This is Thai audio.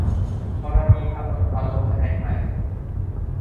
กรณีกำหนดวันลงคะแนนใหม่